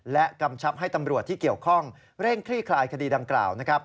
และกำชับให้ตำรวจที่เกี่ยวข้องเร่งคลี่คลายคดีดังกล่าว